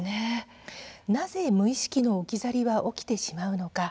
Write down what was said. なぜ、無意識の置き去りは起きてしまうのか。